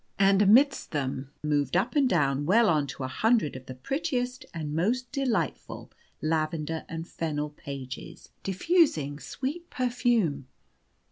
And amidst them moved up and down well on to a hundred of the prettiest and most delightful Lavender and Fennel pages, diffusing sweet perfume.